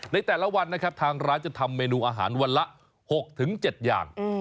ในแต่ละวันนะครับทางร้านจะทำเมนูอาหารวันละ๖๗อย่าง